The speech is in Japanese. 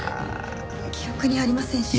記憶にありませんし。